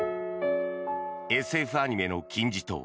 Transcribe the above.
ＳＦアニメの金字塔